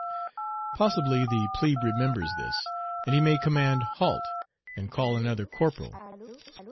Possibly the plebe remembers this, and he may command "Halt!" and call another corporal.